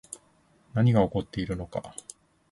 何が起こっているのか